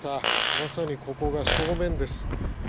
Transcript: まさにここが正面です。